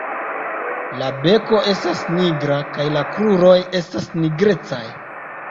La beko estas nigra kaj la kruroj nigrecaj.